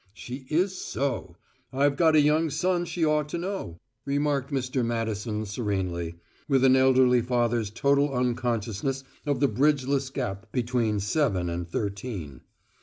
"She is so! I've got a young son she ought to know," remarked Mr. Madison serenely, with an elderly father's total unconsciousness of the bridgeless gap between seven and thirteen.